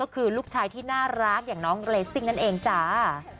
ก็คือลูกชายที่น่ารักอย่างน้องเรซิ่งนั่นเองจ้า